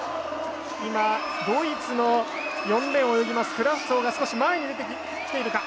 今、ドイツの４レーンを泳ぎますクラフツォウが少し前に出てきているか。